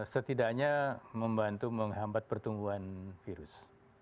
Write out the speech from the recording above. setidaknya membantu menghambat pertumbuhan virus